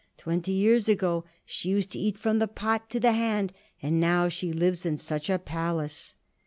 Twenty years ago she used to eat from the pot to the hand, and now she lives in such a palace."